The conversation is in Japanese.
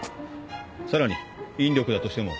さらに引力だとしても。